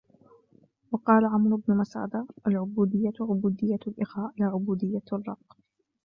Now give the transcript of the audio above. وَقَالَ عُمَرُ بْنُ مَسْعَدَةَ الْعُبُودِيَّةُ عُبُودِيَّةُ الْإِخَاءِ لَا عُبُودِيَّةُ الرِّقِّ